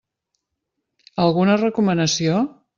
Alguna recomanació?